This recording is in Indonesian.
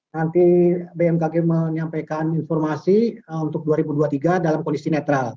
nanti bmkg menyampaikan informasi untuk dua ribu dua puluh tiga dalam kondisi netral